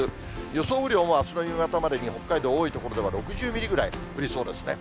予想雨量もあすの夕方までに北海道、多い所では６０ミリぐらい降りそうですね。